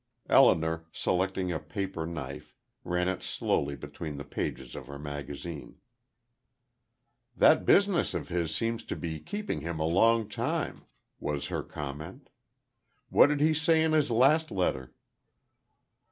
Elinor, selecting a paper knife, ran it slowly between the pages of her magazine. "That business of his seems to be keeping him a long time," was her comment. "What did he say in his last letter?"